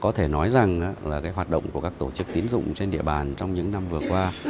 có thể nói rằng là cái hoạt động của các tổ chức tín dụng trên địa bàn trong những năm vừa qua